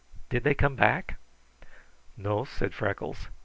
Did they come back?" "No," said Freckles.